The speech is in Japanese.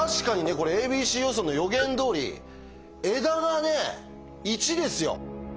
これ「ａｂｃ予想」の予言どおり枝がね１ですよ。